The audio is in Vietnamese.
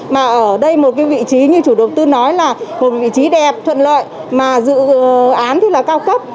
mà ở đây một cái vị trí như chủ đầu tư nói là một vị trí đẹp thuận lợi mà dự án rất là cao cấp